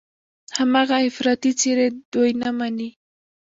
هماغه افراطي څېرې دوی نه مني.